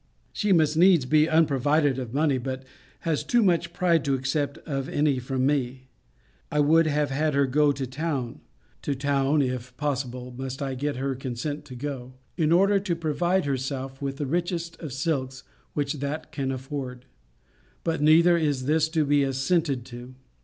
She must needs be unprovided of money: but has too much pride to accept of any from me. I would have had her go to town [to town, if possible, must I get her to consent to go] in order to provide herself with the richest of silks which that can afford. But neither is this to be assented to.